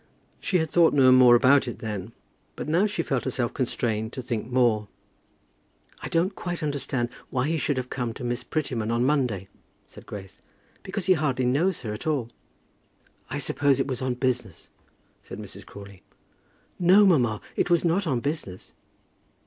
She had thought no more about it then; but now she felt herself constrained to think more. "I don't quite understand why he should have come to Miss Prettyman on Monday," said Grace, "because he hardly knows her at all." "I suppose it was on business," said Mrs. Crawley. "No, mamma, it was not on business."